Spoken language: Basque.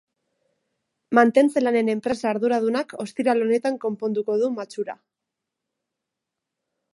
Mantentze-lanen enpresa arduradunak ostiral honetan konponduko du matxura.